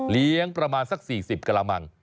เลี้ยงประมาณสัก๔๐กระมัง